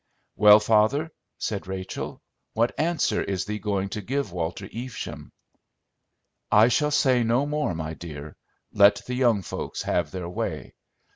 "Well, father," said Rachel, "what answer is thee going to give Walter Evesham?" "I shall say no more, my dear. Let the young folks have their way.